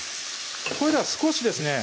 これでは少しですね